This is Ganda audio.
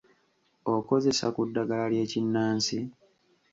Okozesa ku ddagala ly’ekinnansi?